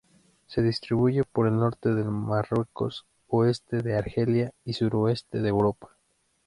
Se distribuye por el norte del Marruecos, oeste de Argelia y suroeste de Europa.